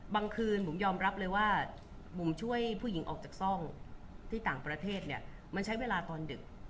คืนบุ๋มยอมรับเลยว่าบุ๋มช่วยผู้หญิงออกจากซ่องที่ต่างประเทศเนี่ยมันใช้เวลาตอนดึก